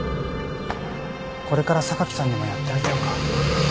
これから榊さんにもやってあげようか？